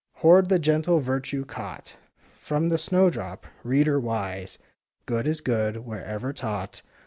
Hoard the gentle virtue caught From the snowdrop,— reader wise! Good is good, wherever taught.